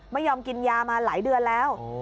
ไม่ยอมกินยามาหลายเดือนแล้ว